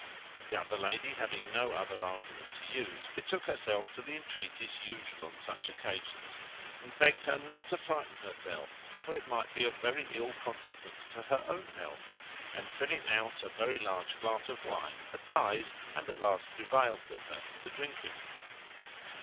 The other lady, having no other arguments to use, betook herself to the entreaties usual on such occasions, and begged her not to frighten herself, for it might be of very ill consequence to her own health; and, filling out a very large glass of wine, advised, and at last prevailed with her to drink it.